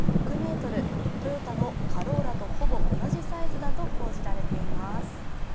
トヨタのカローラとほぼ同じサイズだと報じられています。